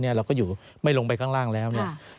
เราก็อยู่ไม่ลงไปข้างล่างแล้วเนี่ย